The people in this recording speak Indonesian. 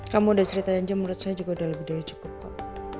kamu udah ceritain jam menurut saya juga udah lebih dari cukup kok